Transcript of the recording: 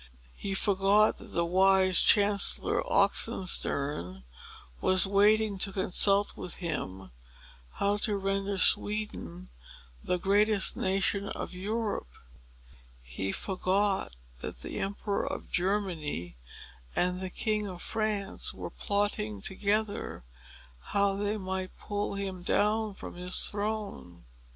He forgot that the wise Chancellor Oxenstiern was waiting to consult with him how to render Sweden the greatest nation of Europe. He forgot that the Emperor of Germany and the King of France were plotting together how they might pull him down from his throne.